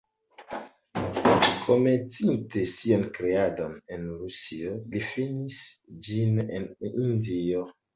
Komencinte sian kreadon en Rusio, li finis ĝin en Hindio.